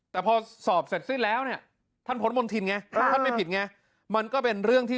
แต่หาสอบเสร็จสิ้นแล้วท่านพ้นมนทินไงไม่ผิดไง